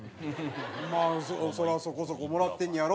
まあそりゃそこそこもらってんねやろ。